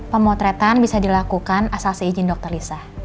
pemotretan bisa dilakukan asal saya izin dr lisa